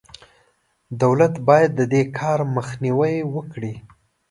دولت باید د دې کار مخنیوی وکړي.